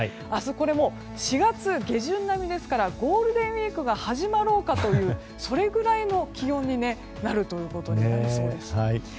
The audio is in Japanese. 明日、４月下旬並みですからゴールデンウィークが始まろうかというそれくらいの気温になるということになりそうです。